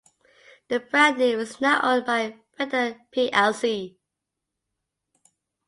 The brand name is now owned by Findel plc.